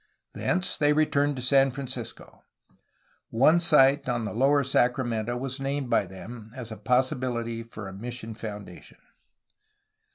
Thence they returned to San Fran cisco. One site on the lower Sacramento was named by them as a possibiUty for a mission foundation.